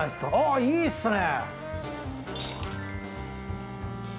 あいいっすね！